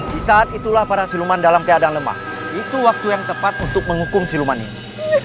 di saat itulah para siluman dalam keadaan lemah itu waktu yang tepat untuk menghukum siluman ini